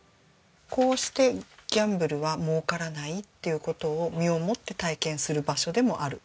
こうしてギャンブルは儲からないっていう事を身をもって体験する場所でもある。